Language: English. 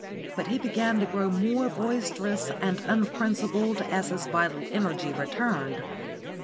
But he began to grow more boisterous and unprincipled as his vital energy returned.